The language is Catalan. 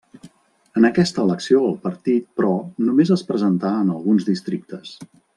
En aquesta elecció el partit, però, només es presentà en alguns districtes.